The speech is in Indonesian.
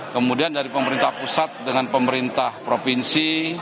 kemudian dari pemerintah pusat dengan pemerintah provinsi